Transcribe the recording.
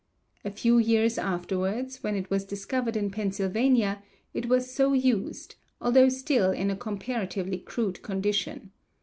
A few years afterwards, when it was discovered in Pennsylvania, it was so used, although still in a comparatively crude condition.